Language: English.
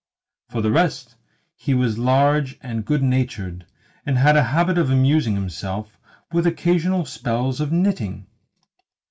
For the rest, he was large and good natured, and had a habit of amusing himself with occasional spells of knitting.